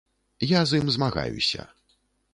Я з ім змагаюся.